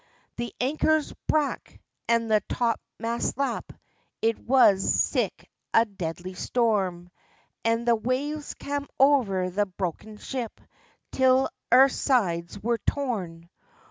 The ankers brak, and the top masts lap, It was sic a deadly storm; And the waves cam o'er the broken ship, Till a' her sides were torn.